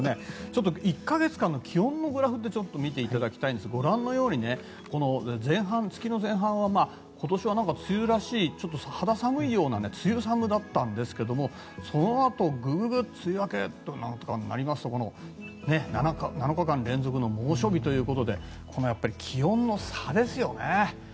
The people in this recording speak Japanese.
ちょっと１か月間の気温のグラフを見ていただきたいんですがご覧のように月の前半は今年は梅雨らしいちょっと肌寒いような梅雨寒だったんですがそのあとグググッと梅雨明けとなりますと７日間連続の猛暑日ということで気温の差ですよね。